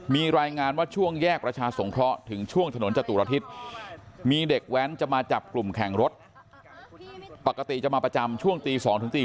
มีรายงานว่าช่วงแยกประชาสงเคราะห์ถึงช่วงถนนจตุรทิศมีเด็กแว้นจะมาจับกลุ่มแข่งรถปกติจะมาประจำช่วงตี๒ตี